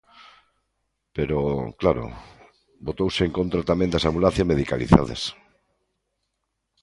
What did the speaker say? Pero, claro, votouse en contra tamén das ambulancias medicalizadas.